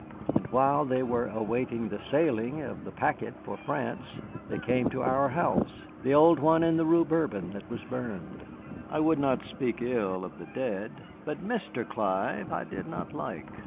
And while they were awaiting the sailing of the packet for France they came to our house the old one in the Rue Bourbon that was burned. I would not speak ill of the dead, but Mr. Clive I did not like.